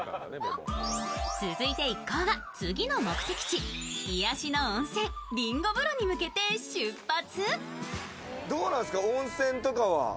続いて一行は次の目的地、癒やしの温泉りんご風呂に向けて出発。